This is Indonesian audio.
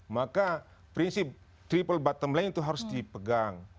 maka prinsip triple bottom line itu harus dipegang